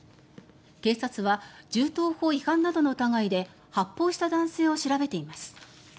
警察は銃刀法違反などの疑いで発砲した男性を調べています。